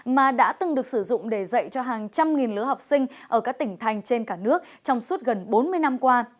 mà đã từng được sử dụng để dạy cho hàng trăm nghìn lứa học sinh ở các tỉnh thành trên cả nước trong suốt gần bốn mươi năm qua